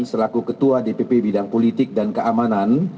selaku ketua dpp bidang politik dan keamanan